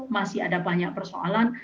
masih ada banyak persoalan